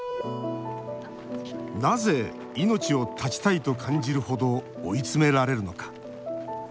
なぜ、命を絶ちたいと感じるほど追い詰められるのか。